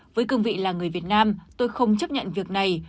với cương vị là người việt nam tôi không chấp nhận việc này